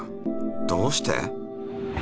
どうして？